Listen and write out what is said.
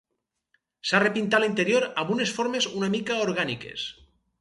S'ha repintat l'interior amb unes formes una mica orgàniques.